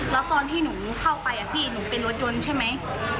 แล้วตอนที่หนูเข้าไปพี่หนูเป็นรถยนต์ใช่ไหม